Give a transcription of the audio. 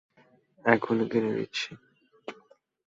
এক্ষুণি কিনে দিচ্ছি।